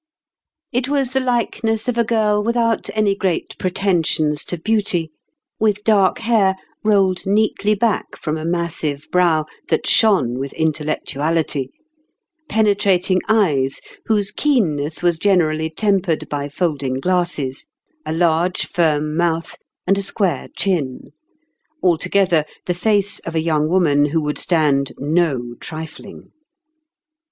It was the likeness of a girl with out any great pretensions to beauty, with dark 1G ftotmttalin's ime 1) eqties. liair rolled neatly back from a massive brow that shone with intellectuality ; penetrating eyes, whose keenness was generally tempered by folding glasses ; a large, firm mouth, and a square chin ; altogether, the face of a young woman who would stand no trifling.